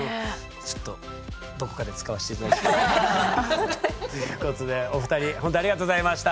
ちょっとどこかで使わせて頂きます。ということでお二人ほんとありがとうございました！